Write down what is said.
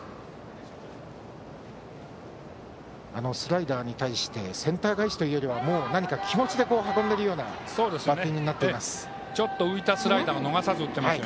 スライダーに対してセンター返しというよりは何か、気持ちで運んでいるようなバッティングになっています。